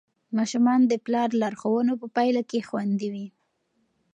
ماشومان د پلار لارښوونو په پایله کې خوندي وي.